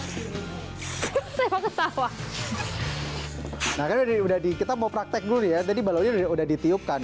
hai sehat ketawa nah jadi udah di kita mau praktek dulu ya jadi balonnya udah ditiupkan